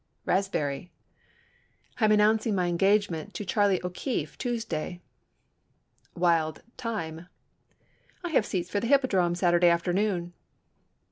Raspberry—"I am announcing my engagement to Charlie O'Keefe Tuesday." Wild Thyme—"I have seats for the Hippodrome Saturday afternoon."